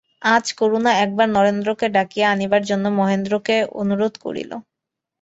আজ করুণা একবার নরেন্দ্রকে ডাকিয়া আনিবার জন্য মহেন্দ্রকে অনুরোধ করিল।